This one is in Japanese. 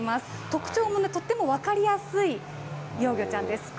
特徴もとっても分かりやすい幼魚ちゃんです。